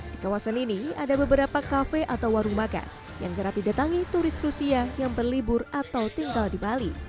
di kawasan ini ada beberapa kafe atau warung makan yang kerap didatangi turis rusia yang berlibur atau tinggal di bali